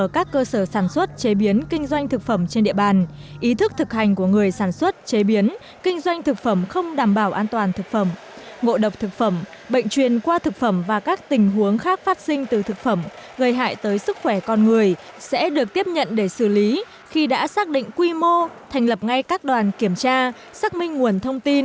các điểm sẽ tiếp nhận xử lý thông tin đưa ra các biện pháp quản lý cảnh báo cho cộng đồng